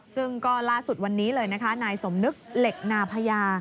ซึ่งก็ล่าสุดวันนี้เลยนะคะนายสมนึกเหล็กนาพญา